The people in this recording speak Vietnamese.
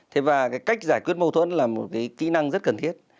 thế và cái cách giải quyết mâu thuẫn là một cái kỹ năng rất cần thiết